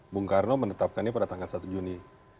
bung karno menetapkannya pada tanggal satu juni